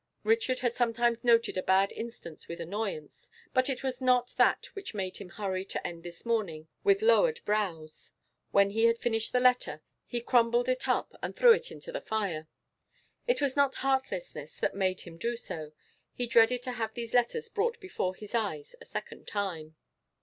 Richard had sometimes noted a bad instance with annoyance, but it was not that which made him hurry to the end this morning with lowered brows. When he had finished the letter he crumbled it up and threw it into the fire. It was not heartlessness that made him do so: he dreaded to have these letters brought before his eyes a second time.